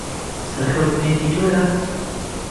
سەرکەوت مێردی تۆیە؟